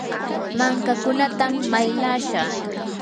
mankakunatam maylashaa.